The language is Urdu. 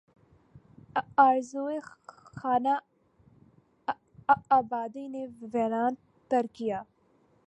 آرزوئے خانہ آبادی نے ویراں تر کیا